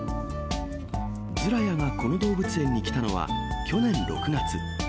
ズラヤがこの動物園に来たのは、去年６月。